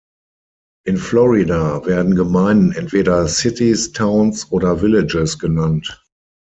In Florida werden Gemeinden entweder "Citys", "Towns" oder "Villages" genannt.